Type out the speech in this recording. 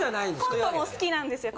コントも好きなんですよ。